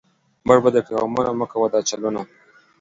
مړ به دې کړي غمونه، مۀ کوه دا چلونه